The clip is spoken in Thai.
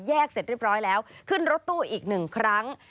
เสร็จเรียบร้อยแล้วขึ้นรถตู้อีกหนึ่งครั้ง